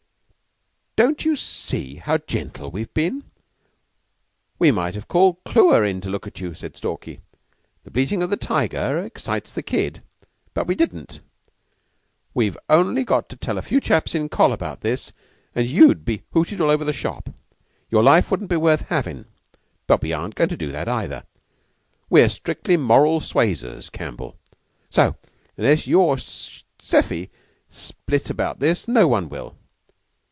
"Don't you see how gentle we've been? We might have called Clewer in to look at you," said Stalky. "'The bleatin' of the tiger excites the kid.' But we didn't. We've only got to tell a few chaps in Coll. about this and you'd be hooted all over the shop. Your life wouldn't be worth havin'. But we aren't goin' to do that, either. We're strictly moral suasers, Campbell; so, unless you or Seffy split about this, no one will."